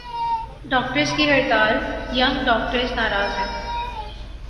Doctors کی ہڑتال "young doctors "ناراض ہیں۔